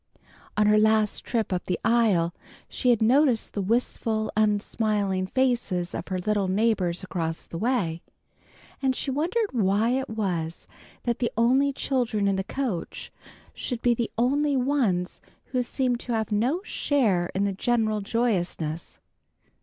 On her last trip up the aisle she had noticed the wistful, unsmiling faces of her little neighbors across the way, and she wondered why it was that the only children in the coach should be the only ones who seemed to have no share in the general joyousness.